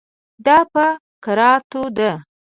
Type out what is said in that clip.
دا په کراتو ده.